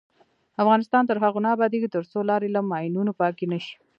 افغانستان تر هغو نه ابادیږي، ترڅو لارې له ماینونو پاکې نشي.